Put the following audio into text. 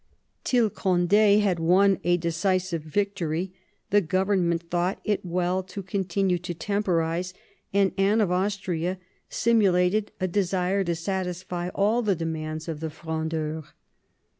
Till Cond^ had won a decisive victory the govern ment thought it well to continue to temporise, and Anne of Austria simulated a desire to satisfy all the demands of the Frondeurs.